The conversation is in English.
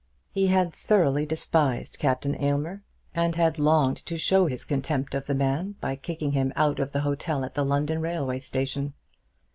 He had thoroughly despised Captain Aylmer, and had longed to show his contempt of the man by kicking him out of the hotel at the London railway station.